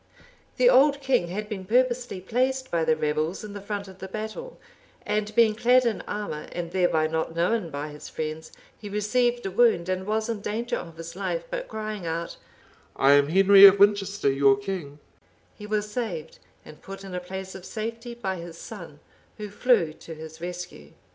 The old king had been purposely placed by the rebels in the front of the battle, and being clad in armor, and thereby not known by his friends, he received a wound, and was in danger of his life; but crying out, "I am Henry of Winchester, your king," he was saved, and put in a place of safety by his son, who flew to his rescue.